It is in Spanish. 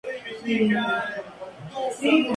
La institución gestiona además dos mansiones antiguas.